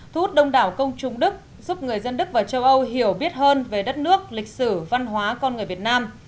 thu hút đông đảo công chúng đức giúp người dân đức và châu âu hiểu biết hơn về đất nước lịch sử văn hóa con người việt nam